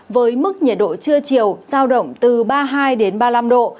với mức nhiệt độ trưa chiều sao động từ ba mươi hai đến ba mươi năm độ